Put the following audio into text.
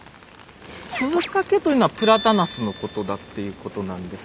鈴懸というのはプラタナスのことだっていうことなんです。